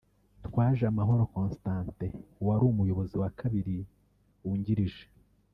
Twajamahoro Constantin; uwari umuyobozi wa kabiri wungirije